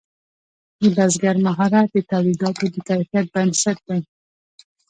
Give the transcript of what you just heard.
د بزګر مهارت د تولیداتو د کیفیت بنسټ دی.